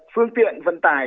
phương tiện vận tải